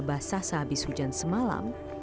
basah sehabis hujan semalam